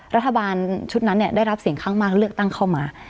รัฐบาลชุดนั้นได้รับเสียงข้างมากเลือกตั้งเข้ามา